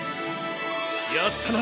やったな！